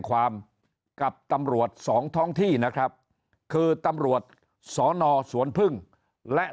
ความกับตำรวจสองท้องที่นะครับคือตำรวจสนสวนพึ่งและ